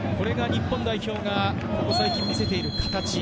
これが日本代表がここ最近、見せている形。